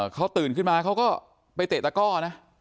เขาตื่นขึ้นมาเขาก็ไปเตะตะก้อนะ